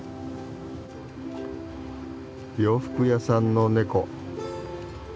洋服屋さんのネコ。